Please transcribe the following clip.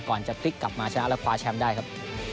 ก่อนจะพลิกกลับมาชนะและคว้าแชมป์ได้ครับ